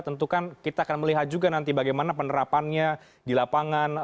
tentu kan kita akan melihat juga nanti bagaimana penerapannya di lapangan